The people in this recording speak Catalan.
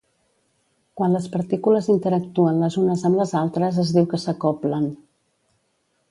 Quan les partícules interactuen les unes amb les altres es diu que s'acoblen.